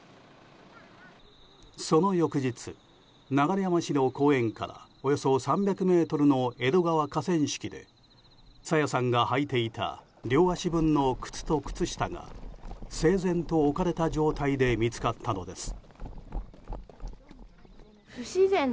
その翌日、流山市の公園からおよそ３００ｍの江戸川河川敷で朝芽さんが履いていた両足分の靴と靴下が整然と置かれた状態で見つかったのです。